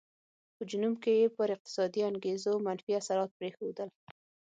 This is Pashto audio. په جنوب کې یې پر اقتصادي انګېزو منفي اثرات پرېښودل.